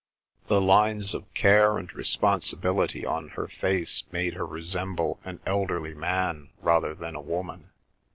The lines of care and responsibility on her face made her resemble an elderly man rather than a woman.